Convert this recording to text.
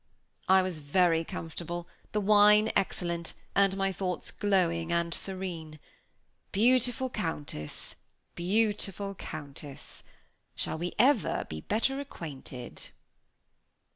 I was very comfortable, the wine excellent, and my thoughts glowing and serene. "Beautiful Countess! Beautiful Countess! shall we ever be better acquainted?"